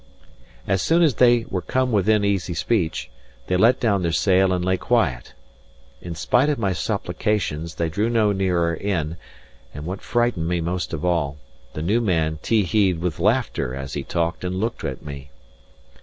As soon as they were come within easy speech, they let down their sail and lay quiet. In spite of my supplications, they drew no nearer in, and what frightened me most of all, the new man tee hee'd with laughter as he talked and looked at me.